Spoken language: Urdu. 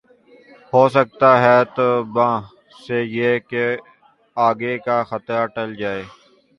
ہوسکتا ہے توبہ سے یہ ہو کہ آگے کا خطرہ ٹل جاۓ